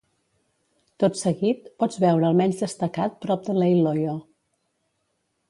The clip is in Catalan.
Tot seguit pots veure el menys destacat prop de Leiloio.